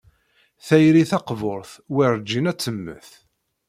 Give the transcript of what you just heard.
Tayri taqburt werǧin ad temmet.